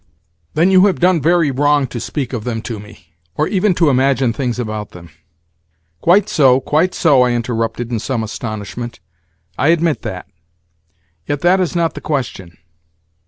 "Then you have done very wrong to speak of them to me, or even to imagine things about them." "Quite so, quite so," I interrupted in some astonishment. "I admit that. Yet that is not the question."